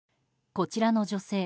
こちらの女性